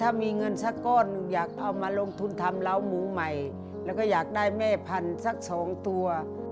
ถ้ามีเงินสักก้อนหนึ่งอยากเอามาลงทุนทำเล้าหมูใหม่แล้วก็อยากได้แม่พันธุ์สักสองตัว